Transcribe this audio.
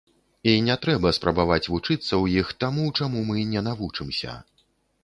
І не трэба спрабаваць вучыцца ў іх таму, чаму мы не навучымся.